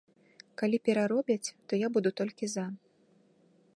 Калі пераробяць, то я буду толькі за.